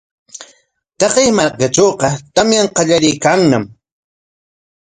Taqay markatrawqa tamyar qallariykanñam.